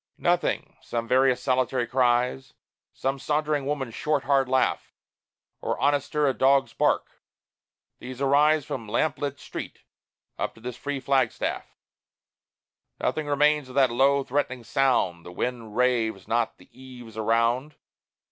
Nothing. Some various solitary cries, Some sauntering woman's short hard laugh, Or honester, a dog's bark, these arise From lamplit street up to this free flagstaff: Nothing remains of that low threatening sound; The wind raves not the eaves around.